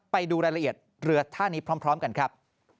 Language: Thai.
ไปดูรายละเอียดเรือท่านี้พร้อมกันครับ